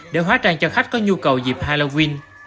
để hóa trang cho khách có nhu cầu dịp halloween